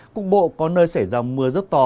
cục bộ có nơi xảy ra mưa rất to